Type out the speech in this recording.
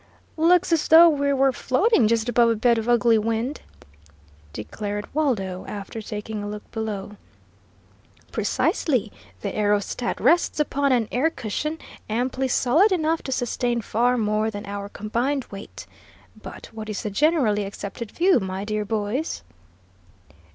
"Looks as though we were floating just above a bed of ugly wind!" declared Waldo, after taking a look below. "Precisely; the aerostat rests upon an air cushion amply solid enough to sustain far more than our combined weight. But what is the generally accepted view, my dear boys?"